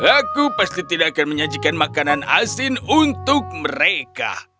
aku pasti tidak akan menyajikan makanan asin untuk mereka